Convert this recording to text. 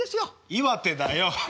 岩手だよ！